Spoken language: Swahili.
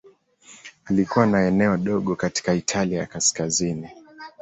Alikuwa na eneo dogo katika Italia ya Kaskazini.